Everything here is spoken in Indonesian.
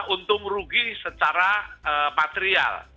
untung rugi secara patrial